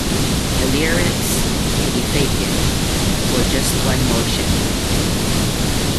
The lyrics Can you fake it, for just one more show?